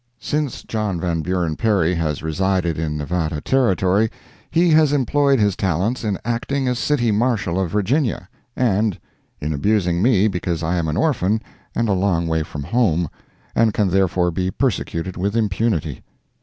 Since John Van Buren Perry has resided in Nevada Territory, he has employed his talents in acting as City Marshal of Virginia, and in abusing me because I am an orphan and a long way from home, and can therefore be persecuted with impunity.